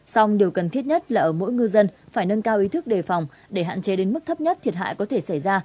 song điều cần thiết nhất là ở mỗi ngư dân phải nâng cao ý thức đề phòng để hạn chế đến mức thấp nhất thiệt hại có thể xảy ra